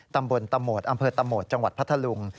ตำบลตำบดอำเภอตำบดจังหวัดพัทธลุง